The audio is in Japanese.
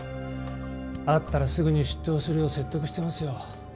あったらすぐに出頭するよう説得してますよ。